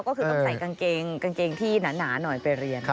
ก็คือต้องใส่กางเกงกางเกงที่หนาหน่อยไปเรียน